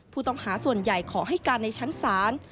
ผู้ต้องหาส่วนใหญ่ขอให้การในชั้นศาล